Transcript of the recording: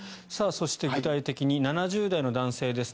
そして、具体的に７０代の男性です。